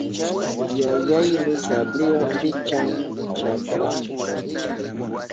Yayayni sabliwa pichan chakranta.